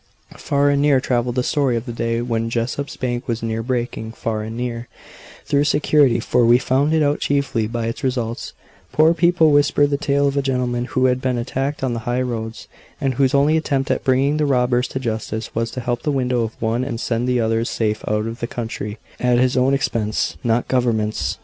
Far and near travelled the story of the day when Jessop's bank was near breaking; far and near, though secretly for we found it out chiefly by its results poor people whispered the tale of a gentleman who had been attacked on the high roads, and whose only attempt at bringing the robbers to justice was to help the widow of one and send the others safe out of the country, at his own expense, not Government's.